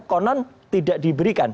konon tidak diberikan